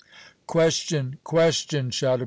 "Question question!" shouted M.